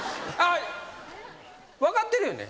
分かってるよね